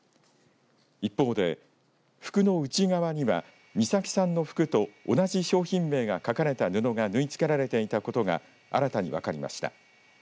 一方で、服の内側には美咲さんの服と同じ商品名が書かれた布が縫いつけられていたことが新たに分かりました。